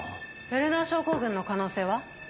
ウェルナー症候群の可能性は？